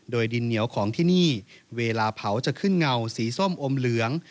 โดยดินเหนียวของที่นี่เวลาเผาจะขึ้นเงาสีส้มอมเหลือง